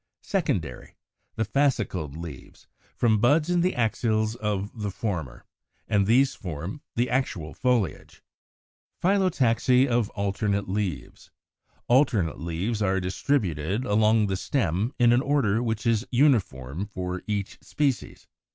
secondary, the fascicled leaves, from buds in the axils of the former, and these form the actual foliage. 185. =Phyllotaxy of Alternate Leaves.= Alternate leaves are distributed along the stem in an order which is uniform for each species.